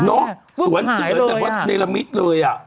สวนเสร็จแต่วัดเทรลามิตรเลย